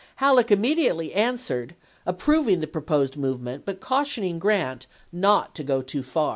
Halleck immediately answered, approving the proposed movement but cautioning Grant not to go too far.